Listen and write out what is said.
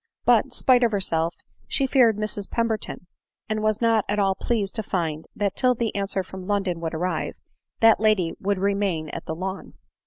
But, spite of herself, she feared Mrs Pemberton, and was not at all pleased to find, that till the answer from London could arrive, that lady was to remain at the Lawn.